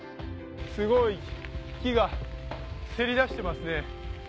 すごい木がせり出してますね。